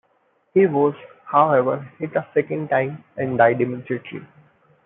He was, however, hit a second time and died immediately.